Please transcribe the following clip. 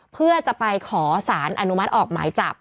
เพื่อจะไปขอสารอนุมัติออกหมายจับ